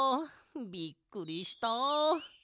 びっくりした。